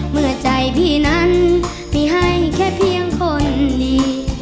เมื่อใจพี่นั้นไม่ให้แค่เพียงคนดี